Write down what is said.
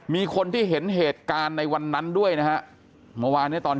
มีคนที่เห็นเหตุการณ์ในวันนั้นด้วยนะฮะเมื่อวานเนี่ยตอน